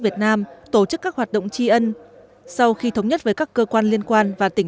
việt nam tổ chức các hoạt động tri ân sau khi thống nhất với các cơ quan liên quan và tỉnh